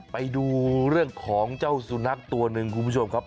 ไปดูเรื่องของเจ้าสุนัขตัวหนึ่งคุณผู้ชมครับ